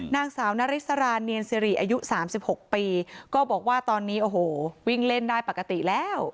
นางสาวนาริสราเนียนสิริอายุ๓๖ปีก็บอกว่าตอนนี้โอ้โหวิ่งเล่นได้ปกติแล้ว